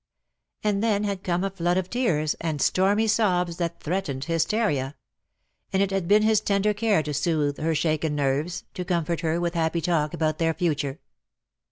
And then had come a flood of tears, and stormy sobs that threatened hysteria; and it had been his tender care to soothe her shaken nerves, to comfort her with happy talk about their future.